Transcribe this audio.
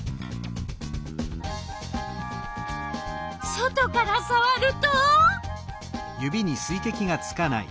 外からさわると？